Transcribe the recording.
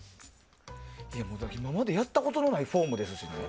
今までやったことのないフォームですし。